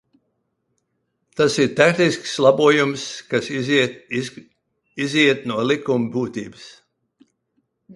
Tas ir tehnisks labojums, kas izriet no likuma būtības.